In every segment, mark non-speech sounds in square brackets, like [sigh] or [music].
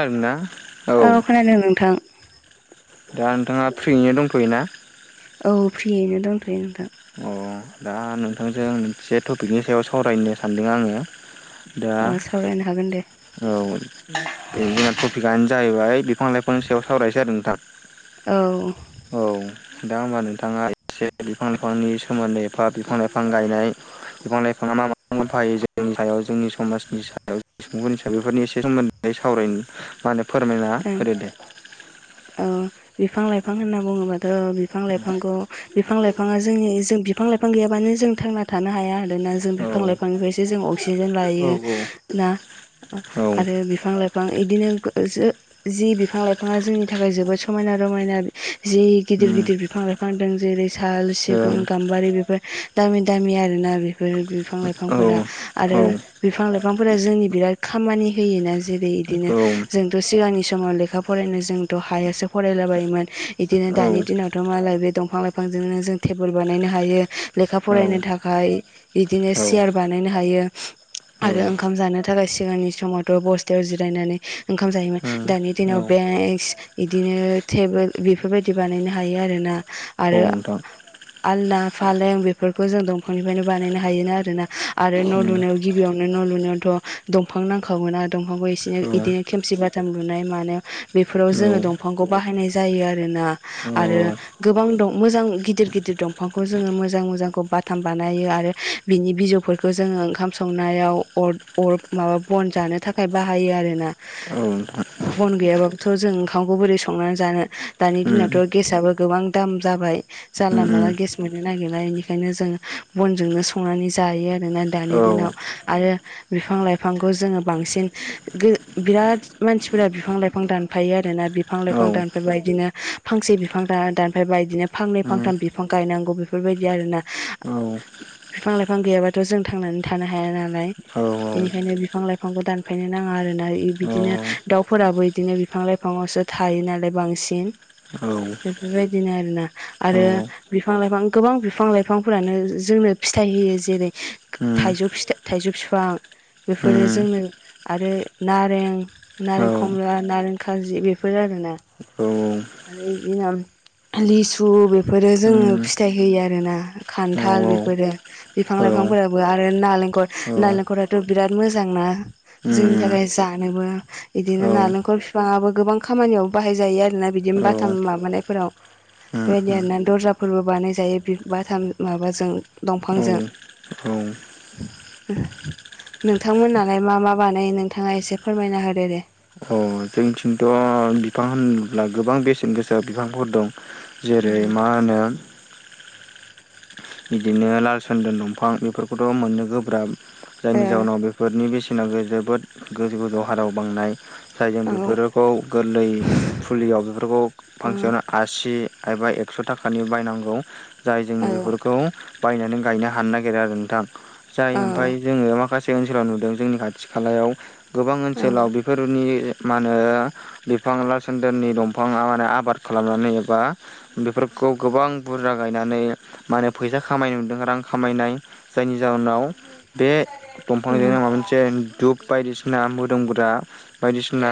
आरोना। औ खोनादों नोंथां। दा नोंथाङा फ्रियैनो दंथ'योना। औ फ्रियैनो दंथै नोंथां। अ दा नोंथांजों मोनसे टपिकनि सायाव सावरायनो सानदों आङो दा अ सावरायनो हागोन दे [unintelligible] औ बे जोंना टपिकआनो जाहैबाय बिफां लाइफांनि सायाव सावरायसै आरो नोंथां। औ। औ दा होमबा नोंथाङा एसे बिफां बिफांनि सोमोन्दै एफा बिफां लाइफां गायनाय बिफां लाइफाङा मा मा मोनफायो जोंनि सायाव जोंनि समाजनि सायाव सुबुंफोरनि बेफोरनि एसे सोमोन्दै सावराय माने फोरमायना होदो दे औ बिफां लाइफां होनना बुङोबा बिफां लाइफांखौ बिफां लाइफाङा जोंनि जों बिफां लाइफां गैयाबानो जों थांना थानो हाया दोंना जों औ बिफां लाइफांनिफ्रायसो जों अक्सिजेन औ लायो ना आरो बिफां लाइ बिफां इदिनो जि बिफां लाइफाङा जोंनि थाखाय जोबोद समायना रमायना। जि गिदिर गिदिर बिफां लाइफां दं जेरै साल सिगुन गाम बारि बेफोर दामि दामि आरोना बेफोर बिफां लाइफांफोरा आरो औ बिफां लाइफांफोरा जोंनि बिराद खामानि होयोना जेरै इदिनो औ औ जोंथ' सिगांनि समाव लेखा फरायनो जोंथ' हायासो फरायलाबायोमोन इदिनो औ दानि दिनाव' थ' मालायब दंफां लाइफांजोंनो जों टेबोल बानायनो हायो लेखा फरायनो था खाय इदिनो औ चियार बानायनो हायो। उम आरो ओंखाम जानो थाखाय सिगांनि समावथ' बस्थायाव जिरायनानै ओंखाम जायोमोन औ दानि दिनाव बे बेक्स बिदिनो टेबोल बेफोरबायदि बानायनो हायो आरोना औ आरो। नोंथां आलना फालें बेफोरखौ जों दंफांनिफ्रायनो बानायनो हायोना आरोना आरो न' उम लुनायाव गिबियावनो न' लुनायाव थ' दंफां नांखागोना दंफांखौ औ बिदिनो खेमसि बाथाम फुनाय मानायाव बेफोराव औ जोङो दंफांखौ बाहायनाय जायो आरोना औ आरो गोबां दं मोजां गिदिर गिदिर दंफांखौ जोङो मोजां मोजांखौ बाथाम बानायो आरो बिनि बिजौफोरखौ जोङो ओंखाम संनायावर अर अर माबा बन जानो था खाय बाहायो आरोना औ नोंथां बन गैयाबाबोथ' जों ओंखामखौ बोरै संनानै जानो दानि उम दिनावथ' गेसआबो गोबां दाम जाबाय जानला उम माला गेस मोननो नागिरला बेनिखायनो जों बनजोंनो संनानै जायो आरोना उम औ दानि दिनाव आरो बिफां लाइफांखौ जोङो बांसिन बिराद मानसि फोरा बिफां लाइफां दानफायो आरोना बिफां लाइफां दानफायबाया बिदिनो फांसे बिफां दानफायबाया बिदिनो फांनै उम फांथाम बिफां गायनांगौ बेफोरबायदि आरोना औ बिफां लाइफां गैयाबाथ' जों थांनानै थानो हाया नालाय औ औ बेनिखायनो बिफां लाइफांखौ दानफायनो नाङा आरोना उम औ उम औ उम औ उम बिदिनो दाउफोराबो बिदिनो बिफां लाइफाङावसो थायो नालाय बांसिन औ बेफोरबायदिनो आरोना आरो बिफां लाइफां गोबां बिफां लाइफांफोरानो जोंनो फिथाइ होयो जेरै थाइजौ फिथा थाइजौ बिफां बेफोरो जोंनो आरो नारें नारें खमला नारें खारजि बेफोर आरोना आरो बिनि उनाव लिसु बेफोरो जोङो फिथाइ होयो आरोना खान्थाल बेफोरो बिफां लाइफांफोराबो आरो नालेंखर नालेंखराथ' बिराद मोजां ना जोंनि थाखाय जानोबो बिदिनो नारेंखल बिफाङाबो गोबां खामानियाव बाहायजायो आरोना बिदिनो बाथाम माबानायफोराव बेबायदि आरोना दरजाफोरबो बानायजायो बि बाथाम माबाजों दंफांजों उम औ [inaudible] नोंथांमोनालाय मा मा बानायो नोंथाङा एसे फोरमायना होदो दे अ जोंनिथिंथ' बिफां होनोब्ला गोबां बेसेन गोसा बिफांफोर दं जेरै मा होनो बिदिनो लाल सन्दोन दंफां बेफोरखौथ' मोननो गोब्राब ओ जायनि जाउनाव बे बेफोरनि बेसेनाव जोबोद गोजौ गोजौ हाराव बांनाय जायजों औ बेफोरो खौ गोरलै फुलियाव बेफोरखौ ओ फांसेयावनो आसि एबा एक्स' थाखानि बायनांगौ जाय जों औ बेफोरखौ बायनानै गायनो हानो नागिरो आरो नोंथां जाय औ औ ओमफफ्राय जोङो माखासे ओनसोलाव नुदों जोंनि खाथि खालायाव गोबां औ ओनसोलाव बे फोरनि मा होनो बिफां ला सदेरनि दंफाङा माने आबाद खालामनानै एबा बेफोरखौ गोबां बुरजा गायनानै मा होनो फैसा खामायनो मोनदों रां खामायनाय जायनि जााहोनाव बे दंफांजोंनो माबा मोनसे धुप बायदिसिना मोदोम गुद्रा बायदिसिना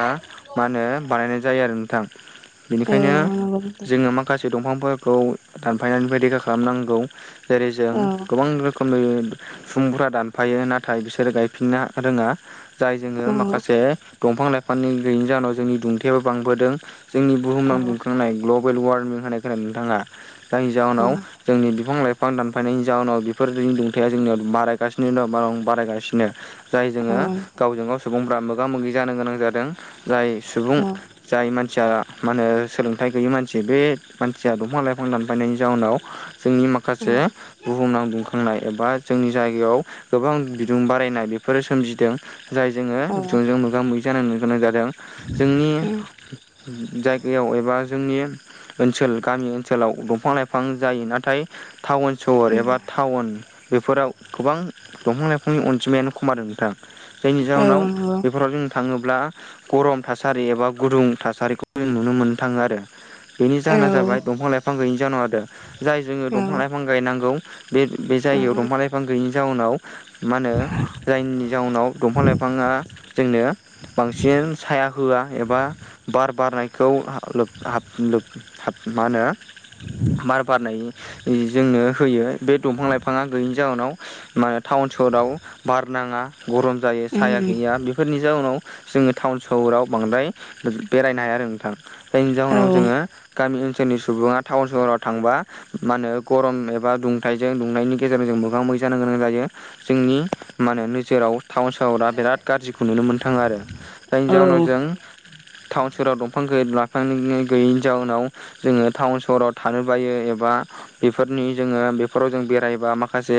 मा होनो बानायनाय जायो आरो नोंथां बेनिखायनो नंगौ नोंथां जोङो माखासे दंफांफोरखौ दानफायनायनिफ्राय रैखा खालामनांगौ जेरै जों औ गोबां रोखोम फुंफोरा दानफायो नाथाय बिसोरो गायफिनना रोङा जाय जोङो माखासे दंफां लाइफांनि गैयैनि जाहोनाव जोंनि दुंथाययाबो बांबोदों जोंनि बुहुमनाव दुंखांनाय ग्लबेल वारमिं होननाय खोना नोंथाङा जायनि जाहोनाव जोंनि बिफां लाइफां दानफायनायनि जाउोनाव बेफोरनि दुंथाया जोंनियाव बारायगासिनो दङं बारायगासिनो जाय जोङो गावजों गाव सुबुंफ्रा मोगा मोगि जानो गोनां जादों जाय सुबुं जाय मानसिया मा होनो सोलोंथाइ गैयि मानसि बे मानसिया दंफां लाइफां दानफायनायनि जाउनाव जोंनि माखासे बुहुम नां दुंखांनाय एबा जोंनि जायगायाव गोबां बिदुं बारायनाय बेफोरो सोमजिदों जाय जोङो बिथिजों मोगा मोगि जानांनो गोनां जादों जोंनि जायगायाव एबा जोंनि ओनसोल गामि ओनसोलाव दंफां लाइफां जायो नाथाय नाथाय टाउन सहर एबा टाउन बेफोराव गोबां दंफां लाइफांनि अनजिमायानो खमादों नोंथां जायनि जाहोनाव बेफोराव जों थांङोब्ला गरम थासारि एबा गुदुं थासारिखौ जों नुनो मोननो थांङो आरो बेनि जाहोना जाबाय दंफां लाइफां गैयैनि जाहोनाव आरो जाय जोंङो दंफां लाइफां गायनांगौ बे बे जायगायाव दंफां लाइफां गैयिनि जाउनाव मा होनो जायनि जाउनाव दंफां लाइफाङा जोंनो बांसिन साया होआ एबा बार बारनायखौ मा होनो मार बारनाय जोंनो होयो बे दंफां लाइफांङा गैयैनि जाउोनाव मा टाउन सहराव बार नांङा गरम जायो साया गैया। बे फोरफोरनि जाउनाव जोंङो टाउन सहराव बांद्राय बेरायनो हाया आरो नोंथां जायनि जाहोनाव जोंङो गामि ओनसोलनि सुबुंङा टाउन सहराव थांबा मा होनो गरम एबा दुंथाइजों दुंनायनि गेजेरजों मोगा मोगि जानो गोनां जायो। जोंनि मा होनो नोजोराव टाउन सहरा बिराद गाज्रिखौ नुनो मोन थांङो आरो जायनि जाउनाव जों टाउन सहराव दंफां लाफां गैयैनि जाउनाव जोंङो टाउन सहराव थानो बायो एबा बा बेफोरनि जोंङो बेफोराव जों बेरायबा माखासे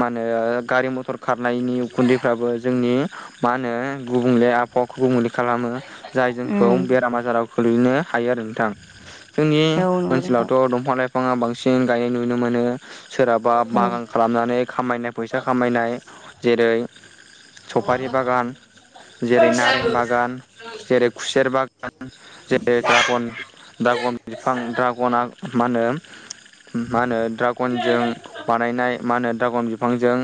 मा होनो गारि मथर खारनायनि उखुन्दैफ्राबो जोंनि मा होनो गुबुंले आबहावाखौ गुबुंले खालामो। जाय जोंखौ बेराम आजाराव खोल्लैनो हायो आरो नोंथां जोंनि ओनसोलावथ' दंफां लाइफांङा बांसिन गायनाय नुनो मोनो। सोरहाबा बागान खालामनानै खामायनाय फैसा खामायनाय जेरै सफारि बागान जेरै नारें बागान जेरै खुसेर बागान जेरै दड्रागन द्रागन बिफां दड्रागना मा होनो मा होनो दड्रागनजों बानायनाय मा होनो द्रागन बिफांजों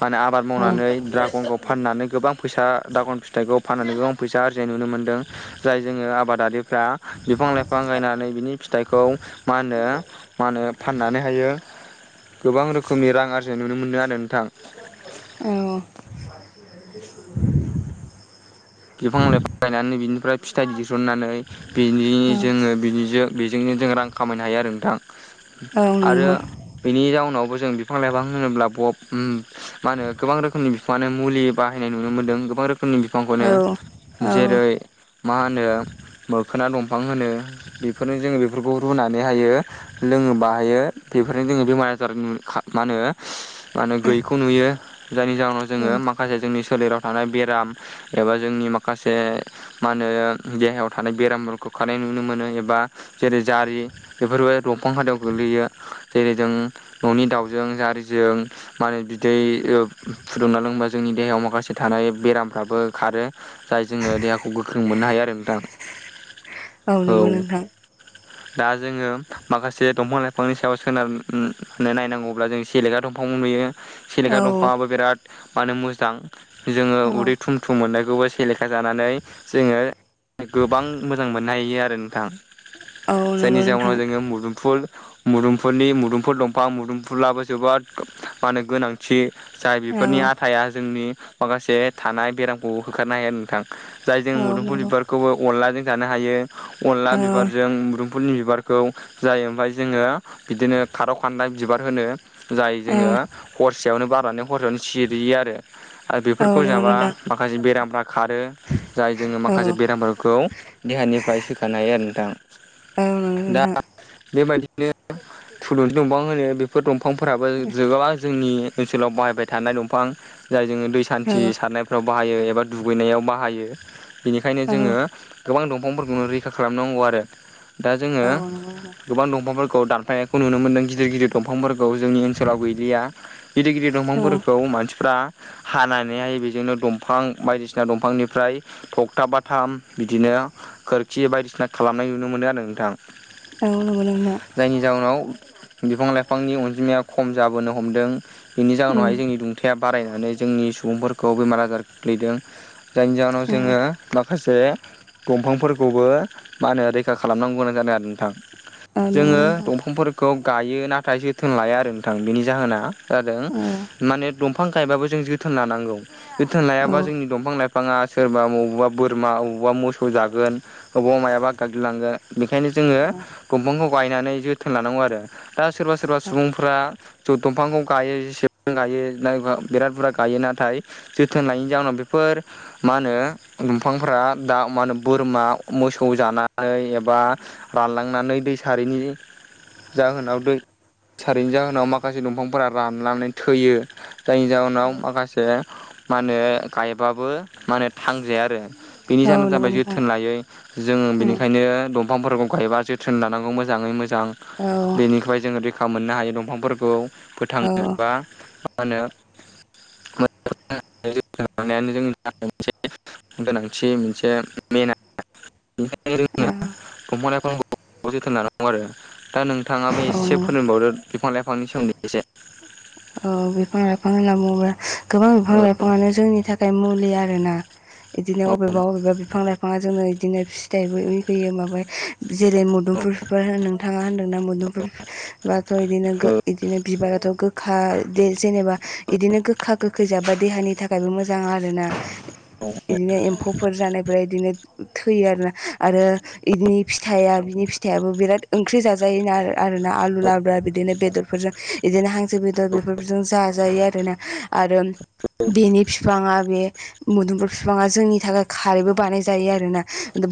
माने आबाद मावनानै दड्रागनखौ फाननानै गोबां फैसा दागन फिथाइखौ फाननानै गोबां फैसा आरजिनाय नुनो मोन्दों जाय जोंङो आबादारिफ्रा बिफां लाइफां गायनानै बिनि फिथाइखौ मा होनो मा होनो फाननानैहायो गोबां रोखोमनि रां आरजिनाय नुनो मोनो आरो नोंथां। बिफां लाइफां गायनानै बिनिफ्राय फिथाइ दिरुननानै बिनि जोंङो बिनिजों बेजोंनो जों रां खामायनो हायो आरो नोंथां आरो बेनि जाउनावबो जों बिफां लाइफां होनोब्ला ब उम मा होनो गोबां रोखोमनि बिफांङानो मुलि बाहायनाय नुनो मोन्दों गोबां रोखोमनि बिफांखौनो जेरै मा होनो मोखोना दंफां होनो बेफोरनो जोंङो बेफोरखौ रुनानै हायो। लोंङो बाहायो बेफोरनो जोंङो बेमार आजार मा होनो मा होने गैयैखौ नुयो जायनि जाहोनाव जोंङो माखासे जोंनि सोलेराव थानाय बेराम एबा जोंनि माखासे मा होनो देहायाव थानाय बेरामफोरखौ खारनाय नुनो मोनो एबा जेरै जारि बेफोरबो दंफां खादायाव गोग्लैयो जेरै जों न'नि दाउजों जारिजों मा होनो बिदै फुदुंना लोंबा जोंनि देहायाव माखासे थानाय बेरामफ्राबो खारो। जाय जोंङो देहाखौ गोख्रों मोननो हायो आरो नोंथां औ नंगौ [inaudible] दा जोंङो माखासे दंफां लाइफांनि सायाव सोनारनो नायनांगौब्ला जों सेलेग्रा दंफां नुयो। औ सेलेखा दंफाङा बिराद मोजां जोंङो औ उदै थुमथुम मोननायखौबो सेलेखा जानानै जोंङो गोबां मोजां मोननो हायो आरो नोंथां औ नंगौ जायनि जाउनाव जोंङो मुदुमफुल मुदुमफोरनि मुदुमफोर दंफां मुदुमफुलाबो जोबोद मा होनो गोनांथि थि जाय औ बेफोरनि औ औ औ नंगौ नोंथां आटाया जोंनि माखासे थानाय बेरामखौ होखारनो हाया नोंथां। औ जायजों औ नंगौ नोंथां औ मुदुमफुल नंगौ बिबारखौबो अनलाजों जानो हायो। अनला औ बिबारजों मोदुमफलनि बिबारखौ जायो। ओमफ्राय जोङो बिदिनो खारौ खान्लला बिबार होनो। जाय जोङो हरसेयावनो बारनानै हरसेयावनो सिरियो आरो। आरो औ बेफोरखौ नंगौ जाबा नोंथां माखासे बेरामफ्रा खारो। जाय जोङो औ माखासे बेरामफोरखौ देहानिफ्राय सोखानो हायो आरो नोंथां। आ बे बायदिनो थुलुंथि दंफां होनो बेफोर दंफांफोराबो जोबाबां जोंनि ओनसोलाव बाहायबाय थानाय दंफां जाय जोङो दै औ सान्थि सारनायफ्राव बाहायो एबा दुगैनायाव बाहायो बेनिखायनो औ जोङो गोबां दंफांफोरखौनो रैखा खालामनांगौ आरो। दा औ जोङो नंगौ नोंथां गोबां दंफांफोरखौ दानफायनायखौ नुनो मोनदों गिदिर गिदिर दंफांफोरखौ जोंनि ओनसोलाव गैलिया। गिदिर गिदिर उम दंफांफोरखौ मानसिफ्रा हानानैहाय बेजोंनो दंफां बायदिसिना दंफांनिफ्राय थगथाब बाथाम बिदिनो खोरखि बायदिसिना खालामनाय नुनो मोनो आरो नोंथां राव रोंगौ लोंना जायनि जाहोनाव बिफां लाइफांनि अनजिमाया खम जाबोनो हमदों। बेनि जाहोनावहाय जोंनि दुंथाया बारायनानै जोंनि सुबुंफोरखौ बेमार आजार गो्लैदों जायनि जाहोनाव औ जोङो माखासे दंफांफोरखौबो मा होनो रैखा खालामनांगौां जादों आरो नोंथां औ नंगौ जोङो नोंथां दंफांफोरखौ खौ गायो नाथाय जोथोन लाया आरो नोंथां बेनि जाहोना जादों औ औ माने दंफां गायबाबो जों जोथोन लानांगौ जोथोन लायाब्ला मबा जोंनि दंफां लाइफाङा सोरबा बबावबा बोरमा बबावबा मोसौ जागोन। बबावा मायाबा गाग्लिलांगोन बेखायनो जोङो दंफांखौ गायनानै जोथोन लानांगौ आरो दा सोरबा सोरबा सुबुं दंफांखौ गायोब गायो बिराद बुरजा गायो नाथाय जोथोन लायो। जाउनाव बेफोर मा होनो दंफांफ दा मा होनो बोरमा मोसौ जानानै एबा रानलांनानै दै सारिनि जाहोनाव दै सारैनि जाहोनाव माखासे दंफांफोरा रानलांनानै थैयो जायनि जाहोनाव। जोंनाव माखासे मा होनो गायबाबो मा होनो थांजाया आरो बेनि औ जाहा नंगौ जाबाय नोंथां जोथोन लायै जों उम बेनिखायनो द दंफांफोरखौ गायबा जोथोन लानांगौ मोजाङै मोजां औ बेनिखफ्राय जो फखा मोननो हायो दंफांफोरखौ औ औ फोथांनोबा मा होनो जांनायानो जोंनि थाखाय मोनसे गोनांथि मोनसे मेेन ङो दंफ जोथोन लानांगौ आरो दा नों नोंथाङाबो औ एसे नंगौ फोरोंबावदो बिफां लाइफांनि सोमोन्दै एसे औ बिफां लाइफां होनना बुङोब्ला गोबां औ बिफां लाइफाङानो जोंनि थाखाय मुलि आरोना औ बिदिनोबेबाब बिफां-लाइफां बिफाङा जोंनो बिदिनो फिथाइबो होयो माबा जेरै मुदुमफोरफोर नोंथाङा होनदों मोनबाथ' औ बिदिनोदिनो बिबाराथ' गो गोखा जेनेबा बिदिनो गोखा गोखै जाबा देहानि थाखायबो मोजां आरो ना बिदिनो एम्फौफोर जानायफ बिदिनो थैयो आरोना आरो बिनि फिथाइया बिनि फिथाइयाबो बिराद ओंख्रि जाजायोना आरो ना आलु लाब्रा बिदिनो बेदरफोरजों बिदिनो हांसो बेदर बेफोरजों जाजायो आरोना आरो बेनि बिफाङा बे मुदुमगुर बिफाङा जोंनि थाखाय खारैबो बानाय जायो आरोना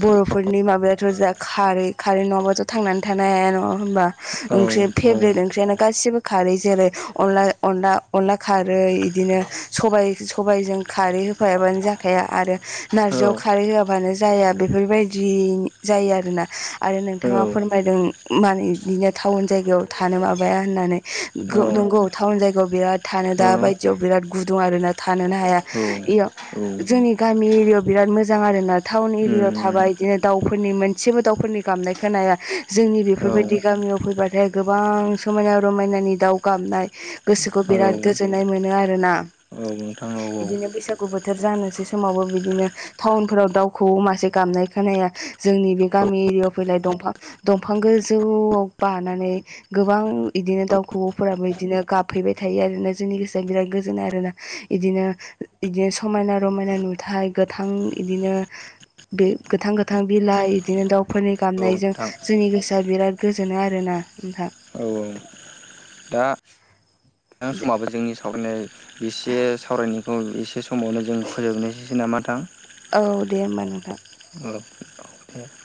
बर'फोरनि माबायाथ' जा खारै खारै नङाब्लााथ' थांनानै थानायानो हा नङा होनबा औ ओंख्रि फेब्रिट ओंख्रियानो गासिबो खारै जेरै अनला अनला अनला खारै बिदिनो स सबायजों खारै होफायाबानो ज या आरो औ नारजियाव खारै होआबानो जाया बेफोरबायदि जायो आरोना आरो नोंथाङा औ फोरमायदों माने बिदिनो टाउन जायगायाव थानो माबाया होननानै। औ नंगौ टाउन जायगायाव बिराद थानो दा बायदियाव बिराद गुदुं आरोना थानोनो हाया इयाव औ जोंनि गामि एरियायाव बिराद मोजां आर ना टाउन उम एरियाायाव थाबा बिदिनो दाउफोरनि मोनसेबो दाउफोरनि गामनाय खोनाया जोंनि बेफोरबायदि गामियाव फैबाथाय गोबां समायना रमायनानि दाउ गाबनाय गोसोखौ औ बिराद गोजोननाय मोनो आरोना। औ नोंथां औ औ बिदिनो बैसागु बोथोर जानोसै समावबो बिदिनो टाउनफोराव दाउखौ मासे गामनाय खोनाया जोंनि बे गामि एरियायाव फैलाय दंफां दंफां गोजौआव बानानै गोबां बिदिनो दाउखौऔ फोराबो बिदिनो गाबहैबाय थायो आरोना जोंनि गोसोआ बिराद गोजोनो आरोना बिदिनो बिदिनो समायना रमायना नुथाय गोथां बिदिनो बे गोथां गोथां बिलाइ बिदिनो दाउफोरनि गामनायजों नोंथां जोंनि गोसोआ बिराद गोजोनो आरोना। ओमफ्राय औ औ दा समाबो जोंनि सावनाय एसे सावरायनायखौ एसे समावनो जों फोजोबनोसैसो नामा नोंथां? औ दे होमबा नोंथां। ओ